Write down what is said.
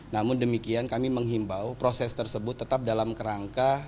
namun demikian kami menghimbau proses tersebut tetap dalam kerangka